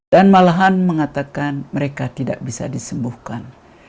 dan malahan mengatakan mereka tidak bisa disembuhkan